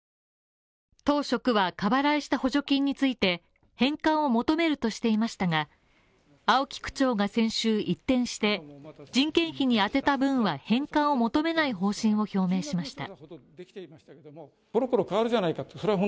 当初、区は過払いした補助金について返還を求めるとしていましたが、青木区長が先週一転して、人件費に充てた分は返還を求めない方針を表明しました